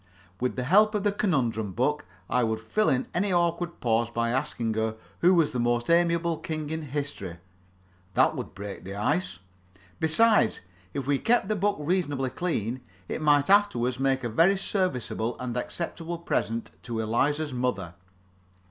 With the help of the conundrum book I would fill in any awkward pause by asking her who was the most amiable king in history. That would break the ice. Besides, if we kept the book reasonably clean, it might afterward make a very serviceable and acceptable present to Eliza's mother.